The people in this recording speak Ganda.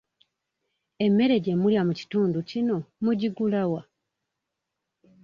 Emmere gye mulya mu kitundu kino mugigula wa?